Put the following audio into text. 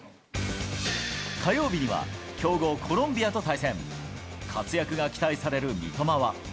火曜日には、強豪、コロンビアと活躍が期待される三笘は。